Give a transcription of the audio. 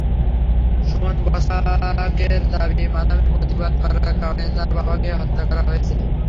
সুমন বসাকের দাবি, মাতলামির প্রতিবাদ করার কারণেই তাঁর বাবাকে হত্যা করা হয়েছে।